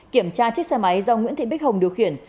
kiểm tra chiếc xe máy do nguyễn thị bích hồng điều khiển